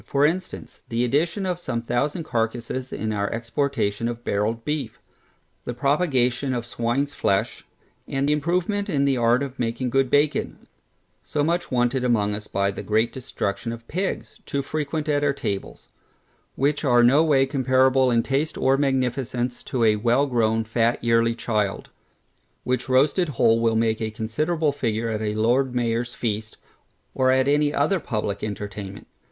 For instance, the addition of some thousand carcasses in our exportation of barrelŌĆÖd beef: the propagation of swineŌĆÖs flesh, and improvement in the art of making good bacon, so much wanted among us by the great destruction of pigs, too frequent at our tables; which are no way comparable in taste or magnificence to a well grown, fat yearling child, which roasted whole will make a considerable figure at a Lord MayorŌĆÖs feast, or any other publick entertainment.